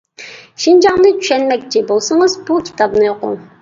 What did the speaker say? شىنجاڭنى چۈشەنمەكچى بولسىڭىز، بۇ كىتابنى ئوقۇڭ.